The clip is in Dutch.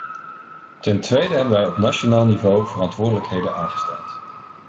Ten tweede hebben wij op nationaal niveau verantwoordelijken aangesteld.